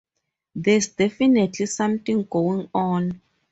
There's definitely something going on.